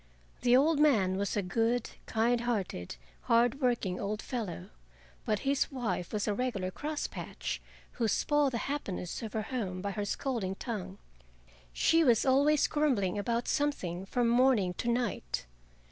The old man was a good, kind hearted, hard working old fellow, but his wife was a regular cross patch, who spoiled the happiness of her home by her scolding tongue. She was always grumbling about something from morning to night.